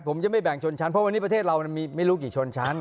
ผมจะไม่แบ่งชนชั้นเพราะวันนี้ประเทศเรามีไม่รู้กี่ชนชั้น